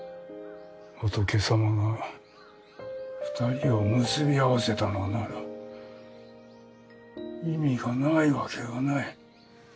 仏様が２人を結び合わせたのなら意味がないわけがない。